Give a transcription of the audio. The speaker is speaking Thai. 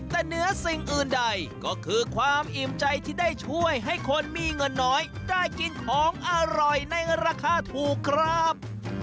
แต่เหนือสิ่งอื่นใดก็คือความอิ่มใจที่ได้ช่วยให้คนมีเงินน้อยได้กินของอร่อยในราคาถูกครับ